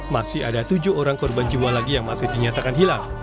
masih ada tujuh orang korban jiwa lagi yang masih dinyatakan hilang